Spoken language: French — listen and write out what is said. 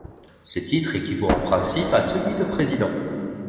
Ce titre équivaut en principe à celui de président.